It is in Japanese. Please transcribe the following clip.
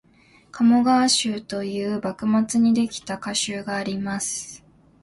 「鴨川集」という幕末にできた歌集があります